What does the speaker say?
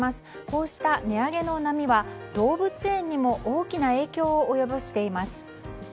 こうした値上げの波は動物園にも大きな影響を及ぼしています。